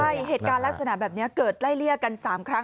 ใช่เหตุการณ์ลักษณะแบบนี้เกิดไล่เลี่ยกัน๓ครั้ง